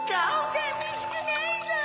さみしくないぞ。